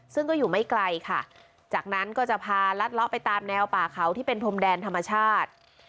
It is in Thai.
ซึ่งก็อยู่ไม่ไกลค่ะจากนั้นก็จะพาลัดเลาะไปตามแนวป่าเขาที่เป็นพรมแดนธรรมชาติ